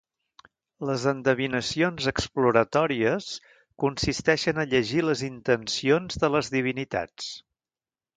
Les endevinacions exploratòries consisteixen a llegir les intencions de les divinitats.